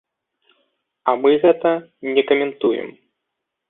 А мы гэта не каментуем.